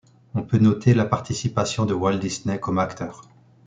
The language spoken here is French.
On peut noter la participation de Walt Disney comme acteur.